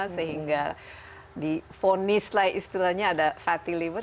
sehingga di fonis lah istilahnya ada fatty liver